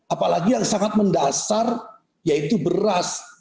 apalagi yang sangat mendasar yaitu beras